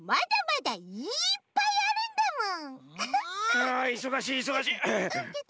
あいそがしいいそがしい。